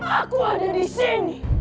aku ada di sini